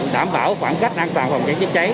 đảm bảo khoảng cách an toàn phòng cháy chữa cháy